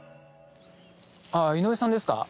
ああ井上さんですか？